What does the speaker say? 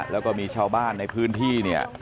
แล้วก็มีชาวบ้านในพื้นที่เนี่ย